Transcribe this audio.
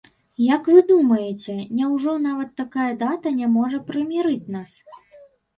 Як вы думаеце, няўжо нават такая дата не можа прымірыць нас?